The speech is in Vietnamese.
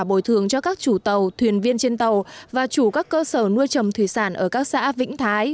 bồi thường cho các chủ tàu thuyền viên trên tàu và chủ các cơ sở nuôi trầm thủy sản ở các xã vĩnh thái